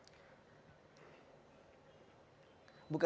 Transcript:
ini bukan dari wadah pegawai kpk secara organisasi bukan ya